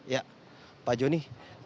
ya pak joni